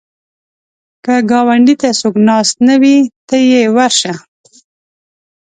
که ګاونډي ته څوک ناست نه وي، ته یې ورشه